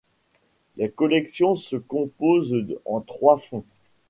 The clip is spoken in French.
Les collections se composent en trois fonds.